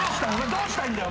どうしたいんだよ？